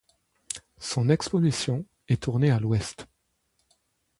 Son exposition est tournée à l'ouest.